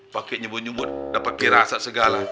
paket nyebut nyebut dapet kirasat segala